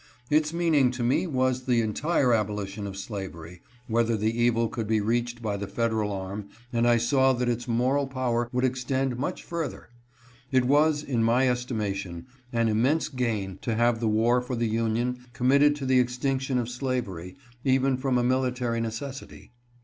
Its meaning to me was the entire abolition of slavery, wherever the evil could be reached by the Fed eral arm, and I saw that its moral power would extend much further. It was, in my estimation, an immense gain to have the war for the Union committed to the extinction of slavery, even from a military necessity.